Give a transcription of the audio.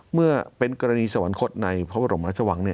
เมื่อเป็นกรณีสวรรคตในพระบรมราชวัง